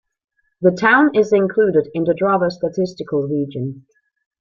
The town is included in the Drava Statistical Region.